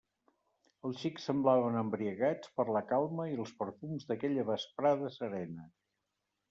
Els xics semblaven embriagats per la calma i els perfums d'aquella vesprada serena.